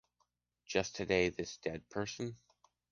Just today this dead person!